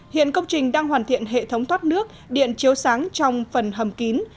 hiện công trình đang hoàn thiện hệ thống thoát nước điện chiếu sáng trong phần hầm kín